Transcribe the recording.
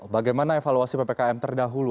bagaimana evaluasi ppkm terdahulu